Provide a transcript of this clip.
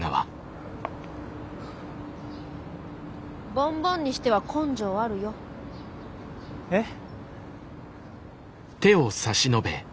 ボンボンにしては根性あるよ。えっ？